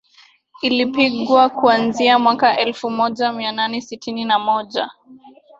ilipigwa kuanzia mwaka elfumoja mianane sitini na moja